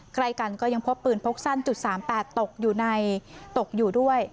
ใกล้กันก็ยังพบปืนพกสั้น๓๘ตกอยู่ด้วย